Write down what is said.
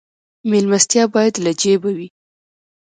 میلمستیا باید له جیبه وي